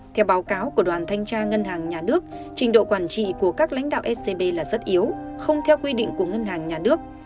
theo báo cáo của đoàn thanh tra ngân hàng nhà nước trình độ quản trị của các lãnh đạo scb là rất yếu không theo quy định của ngân hàng nhà nước